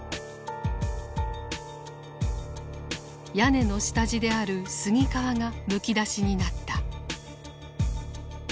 屋根の下地である杉皮がむき出しになった。